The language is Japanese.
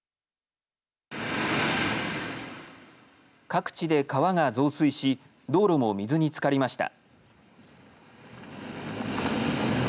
各地で川が増水し道路も水につかりました。